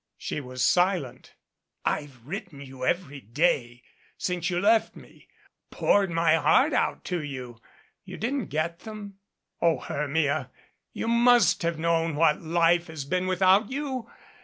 She was silent. "I've written you every day since you left me poured my heart out to you. You didn't get them? O Hermia, you must have known what life has been without you.